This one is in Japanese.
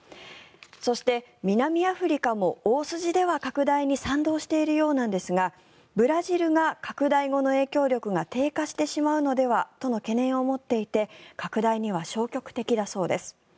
そして、南アフリカも大筋では拡大に賛同しているようなんですがブラジルが拡大後の影響力が低下してしまうのではとの懸念を持っていて拡大には消極的だそうです。